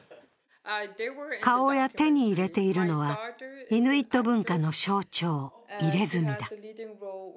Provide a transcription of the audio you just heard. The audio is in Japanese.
顔や手に入れているのはイヌイット文化の象徴、入れ墨だ。